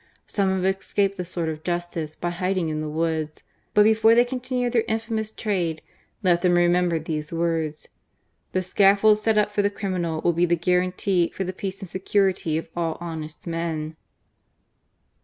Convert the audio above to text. Some have escaped the sword of justice by hiding in the woods; but before they continue their infamous trade, let them remember these words: *The scaffold set up for the criminal will be the guarantee for the peace and security of all honest men.'"